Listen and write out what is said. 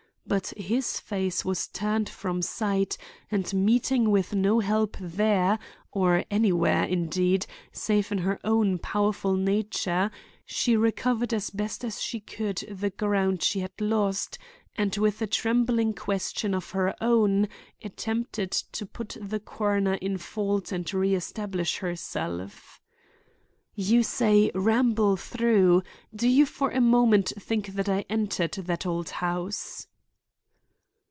But his face was turned from sight, and, meeting with no help there, or anywhere, indeed, save in her own powerful nature, she recovered as best she could the ground she had lost and, with a trembling question of her own, attempted to put the coroner in fault and reestablish herself. "You say 'ramble through.' Do you for a moment think that I entered that old house?"